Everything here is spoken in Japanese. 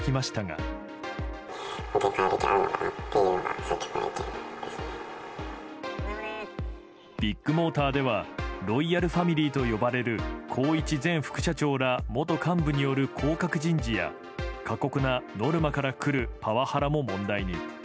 本当に変える気あるのかなっビッグモーターでは、ロイヤルファミリーと呼ばれる宏一前副社長ら元幹部による降格人事や、過酷なノルマから来るパワハラも問題に。